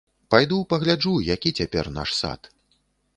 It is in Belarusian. Пайду пагляджу, які цяпер наш сад.